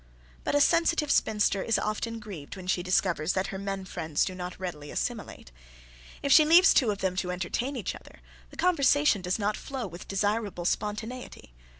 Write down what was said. But a sensitive spinster is often grieved when she discovers that her men friends do not readily assimilate. If she leaves two of them to entertain each other, the conversation does not flow with desirable spontaneity.